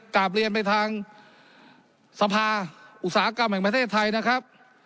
กลับเรียนไปทางสภาอุตสาหกรรมแห่งประเทศไทยนะครับ